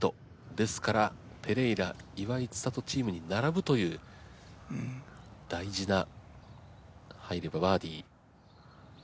ですからペレイラ・岩井千怜チームに並ぶという大事な入ればバーディ。